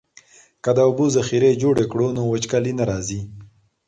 که د اوبو ذخیرې جوړې کړو نو وچکالي نه راځي.